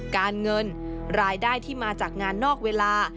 การเงินรายได้ที่มาจากงานนอกเวลา